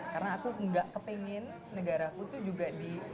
karena aku nggak kepengen negara aku itu juga di